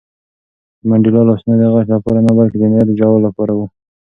د منډېلا لاسونه د غچ لپاره نه، بلکې د ملت د جوړولو لپاره وو.